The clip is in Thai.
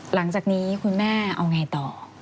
หลังจากนี้คุณแม่เอาไงต่อ